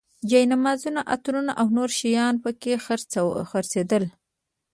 جاینمازونه، عطر او نور شیان په کې خرڅېدل.